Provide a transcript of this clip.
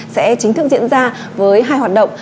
sẽ chính thức diễn ra với hai hoạt động